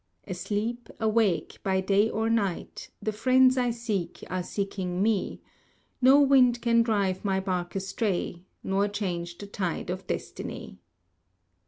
Asleep, awake, by night or day, The friends I seek are seeking me; No wind can drive my bark astray, Nor change the tide of destiny.